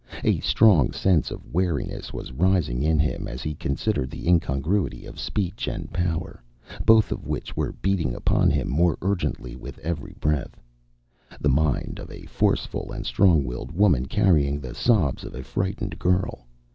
A strong sense of wariness was rising in him as he considered the incongruity of speech and power, both of which were beating upon him more urgently with every breath. The mind of a forceful and strong willed woman, carrying the sobs of a frightened girl.